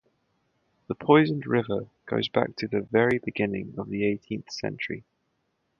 The poisoned river goes back to the very beginning of the eighteenth century.